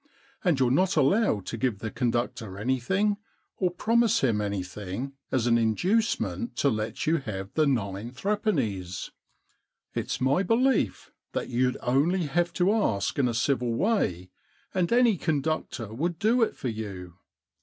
And you're not allowed to give the conductor anything or promise him anything as an in ducement to let you have the nine threepennies. It's my belief that you'd only have to ask in a civil way, and any conductor would do it for you.